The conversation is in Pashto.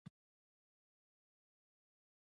په هره ټولنه کې خرافات شته، خو لویه غمیزه دا ده.